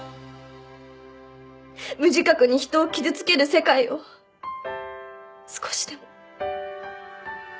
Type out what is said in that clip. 無自覚に人を傷つける世界を少しでも。